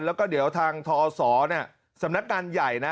แล้วก็เดี๋ยวทางธศเนี่ยสำนักการณ์ใหญ่นะ